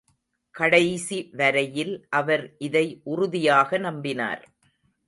கடைசி வரையில் அவர் இதை உறுதியாக நம்பினார்.